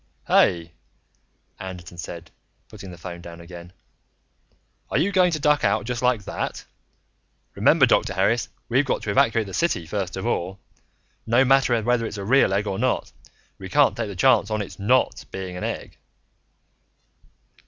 "Hey," Anderton said, putting the phone down again. "Are you going to duck out just like that? Remember, Dr. Harris, we've got to evacuate the city first of all! No matter whether it's a real egg or not we can't take the chance on it's not being an egg!"